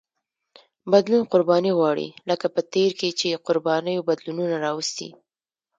بدلون قرباني غواړي لکه په تېر کې چې قربانیو بدلونونه راوستي.